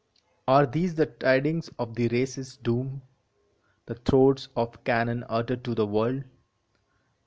Are these the tidings of the race s doom The throats of cannon utter to the world?